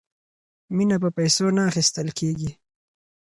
مینه په پیسو نه اخیستل کیږي.